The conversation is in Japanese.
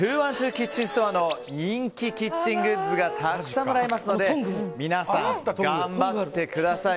キッチンストアの人気キッチングッズがたくさんもらえますので皆さん頑張ってください。